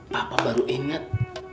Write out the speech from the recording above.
papa baru inget